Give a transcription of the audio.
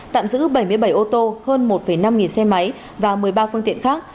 tạm giữ bảy mươi bảy ô tô hơn một năm nghìn xe máy và một mươi ba phương tiện khác